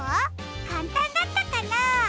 かんたんだったかな？